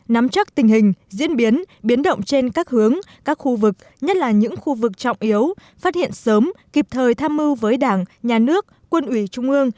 nắm chắc tình hình diễn biến biến động trên các hướng các khu vực nhất là những khu vực trọng yếu phát hiện sớm kịp thời tham mưu với đảng nhà nước quân ủy trung ương